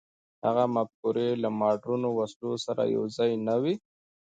هغه مفکورې له مډرنو وسلو سره یو ځای نه وې.